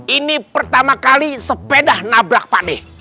ini pertama kali sepeda nabrak panik